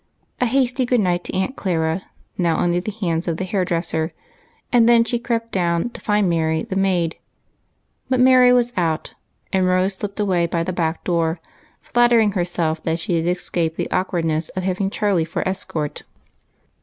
A hasty good night to Aunt Clara, — now under the hands of the hair dresser, — and then she crept down to find Mary the maid. But Mary was out, so was the man, and Rose slipped away by the back door, flattering herself that she had escaped the awkward ness of having Charlie for escort.